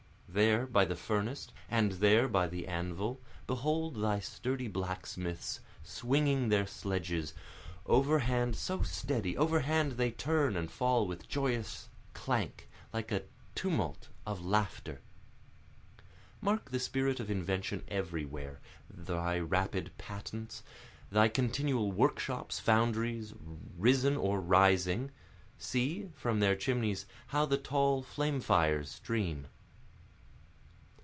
There by the furnace, and there by the anvil, Behold thy sturdy blacksmiths swinging their sledges, Overhand so steady, overhand they turn and fall with joyous clank, Like a tumult of laughter. Mark the spirit of invention everywhere, thy rapid patents, Thy continual workshops, foundries, risen or rising, See, from their chimneys how the tall flame fires stream.